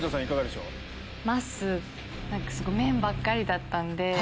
麺ばっかりだったんで。